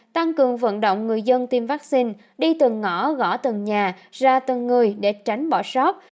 tổng người dân tiêm vaccine đi từng ngõ gõ từng nhà ra từng người để tránh bỏ sót